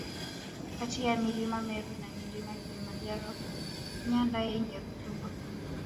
Kati ya mlima Meru na Mlima Kilimanjaro nyanda yenye rutuba